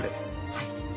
はい。